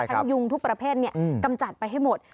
ยุงทุกประเภทกำจัดไปให้หมด